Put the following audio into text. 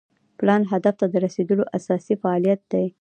پلان هدف ته د رسیدو اساسي فعالیت دی.